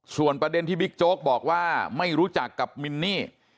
ส่วนประเด็นที่บิ๊กโจ๊กบอกว่าไม่รู้จักกับมินนี่